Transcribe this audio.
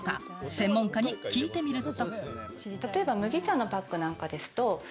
専門家に聞いてみると。